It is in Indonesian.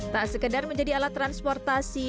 tak sekedar menjadi alat transportasi